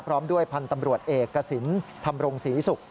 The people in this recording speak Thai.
พร้อมด้วยพันธ์ตำรวจเอกสินธรรมรงศรีศุกร์